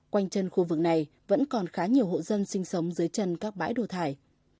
quanh chân khu vực này vẫn còn khá nhiều hộ dân sinh sống dưới chân các bãi đổ thải